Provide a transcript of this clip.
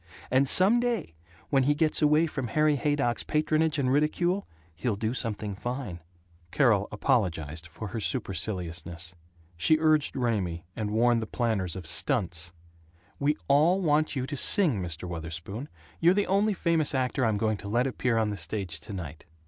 And some day when he gets away from Harry Haydock's patronage and ridicule, he'll do something fine." Carol apologized for her superciliousness. She urged Raymie, and warned the planners of "stunts," "We all want you to sing, Mr. Wutherspoon. You're the only famous actor I'm going to let appear on the stage tonight."